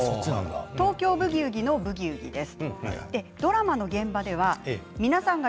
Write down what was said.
「東京ブギウギ」のブギウギです。